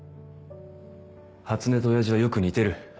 初音と親父はよく似てる。